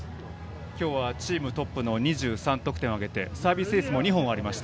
今日はチームトップの２３得点を挙げてサービスエースも２本ありました。